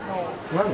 何？